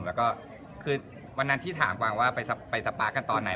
แล้วก็คือวันนั้นที่ถามกวางว่าไปสปาร์คกันตอนไหน